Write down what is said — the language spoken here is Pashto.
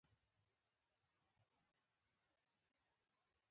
آسیایي سیالیو کې ګډون لرو.